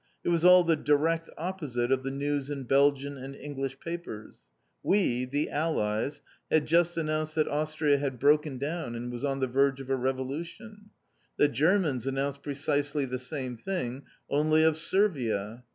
It was all the Direct Opposite of the news in Belgian and English papers. We, the Allies, had just announced that Austria had broken down, and was on the verge of a revolution. They, the Germans, announced precisely the same thing only of Servia!